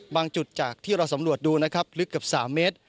จุดจากที่เราสำรวจดูนะครับลึกเกือบ๓เมตร